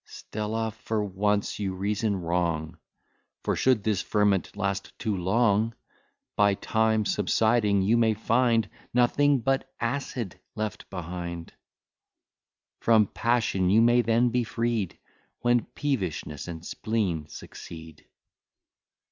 Stella, for once you reason wrong; For, should this ferment last too long, By time subsiding, you may find Nothing but acid left behind; From passion you may then be freed, When peevishness and spleen succeed.